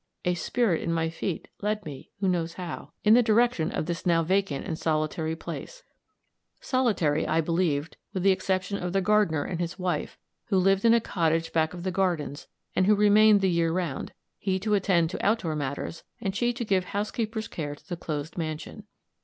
"A spirit in my feet Led me, who knows how?" in the direction of this now vacant and solitary place solitary, I believed, with the exception of the gardener and his wife, who lived in a cottage back of the gardens, and who remained the year round, he to attend to out door matters, and she to give housekeeper's care to the closed mansion.